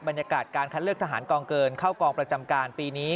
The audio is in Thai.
บรรยากาศการคัดเลือกทหารกองเกินเข้ากองประจำการปีนี้